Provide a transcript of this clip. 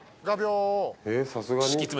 さすがに。